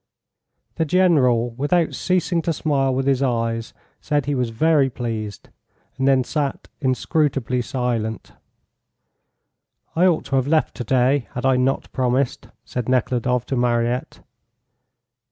The General, without ceasing to smile with his eyes, said he was very pleased, and then sat inscrutably silent. "I ought to have left to day, had I not promised," said Nekhludoff to Mariette.